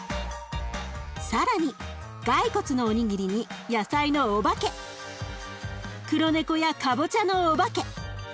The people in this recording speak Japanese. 更に骸骨のお握りに野菜のお化け黒猫やかぼちゃのお化け。